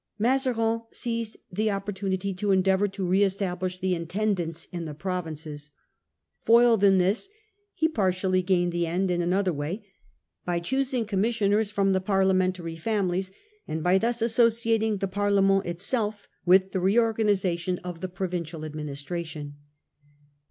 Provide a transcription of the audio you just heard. Mazarin seized the opportunity to endeavour to re establish the Intendants in the provinces. Foiled in this, he partially gained his end in another way, by choosing commissioners from the Parliamentary families, and by thus associating the Parlement itself with the reorganisation of the provincial administration.